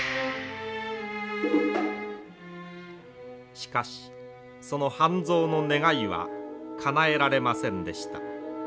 しかしその半蔵の願いはかなえられませんでした。